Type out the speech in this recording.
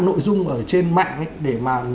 nội dung ở trên mạng để mà